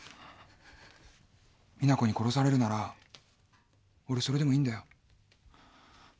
実那子に殺されるなら俺それでもいいんだよ。